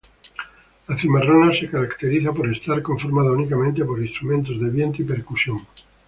La cimarrona se caracteriza por estar conformada únicamente por instrumentos de viento y percusión.